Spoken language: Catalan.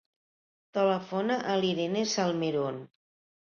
Telefona a l'Irene Salmeron.